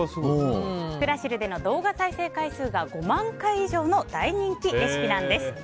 クラシルでの動画再生回数が５万回以上の大人気レシピなんです。